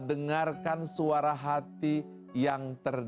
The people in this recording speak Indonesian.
dengarkan suara hati yang terbaik